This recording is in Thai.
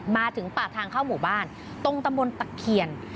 มาถึงปากทางเข้าหมู่บ้านตรงตำบลตะเคียน